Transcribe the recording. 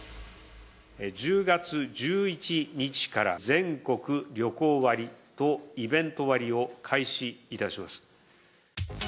１０月１１日から、全国旅行割とイベント割を開始いたします。